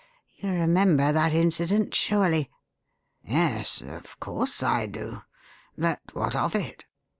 You remember that incident, surely?" "Yes. Of course I do. But what of it?"